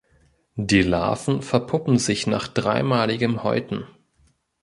Die Larven verpuppen sich nach dreimaligem Häuten.